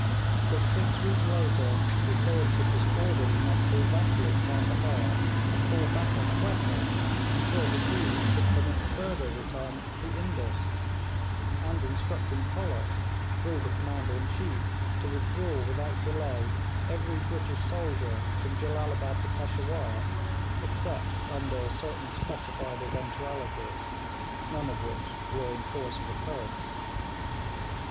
But six weeks later his lordship was ordering Nott to evacuate Candahar and fall back on Quetta, until the season should permit further retirement to the Indus; and instructing Pollock, through the Commander in Chief, to withdraw without delay every British soldier from Jellalabad to Peshawur, except under certain specified eventualities, none of which were in course of occurrence.